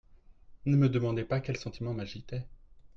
Ne me demandez pas quels sentiments m'agitaient.